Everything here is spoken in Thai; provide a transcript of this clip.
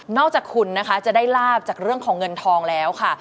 อกจากคุณนะคะจะได้ลาบจากเรื่องของเงินทองแล้วค่ะ